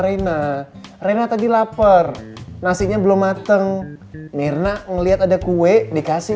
reina reina tadi lapar nasinya belum mateng mirna ngelihat ada kue dikasih